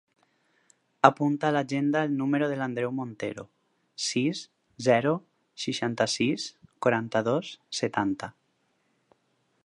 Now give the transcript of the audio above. Apunta a l'agenda el número de l'Andreu Montero: sis, zero, seixanta-sis, quaranta-dos, setanta.